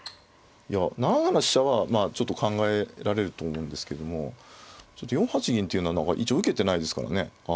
７七飛車はまあちょっと考えられると思うんですけども４八銀っていうのは何か一応受けてないですからね。